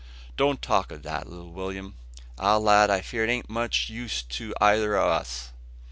"Don't talk o' that, little Will'm. Ah! lad, I fear it an't much use to eyther o' us.